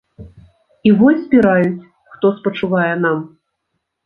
І вось збіраюць, хто спачувае нам.